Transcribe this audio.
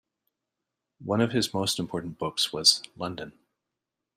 One of his most important books was "London".